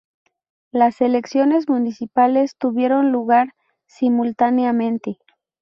Las elecciones municipales tuvieron lugar simultáneamente.